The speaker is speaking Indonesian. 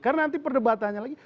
karena nanti perdebatannya lagi